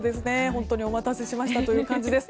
本当にお待たせしましたという感じです。